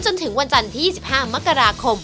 จนถึงวันจันทร์ที่๒๕มกราคม